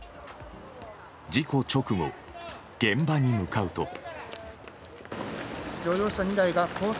事故直後、現場に向かうと。